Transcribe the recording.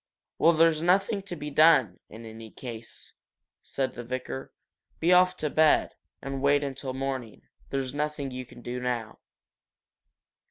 "Well, there's nothing to be done, in any case," said the vicar. "Be off to bed, and wait until morning. There's nothing you can do now."